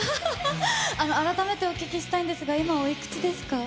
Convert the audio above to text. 改めてお聞きしたいんですが、今おいくつですか？